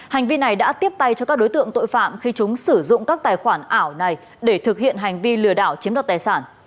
hành vi này đã tiếp tay cho các đối tượng tội phạm khi chúng sử dụng các tài khoản ảo này để thực hiện hành vi lừa đảo chiếm đoạt tài sản